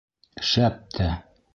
Шәп тә!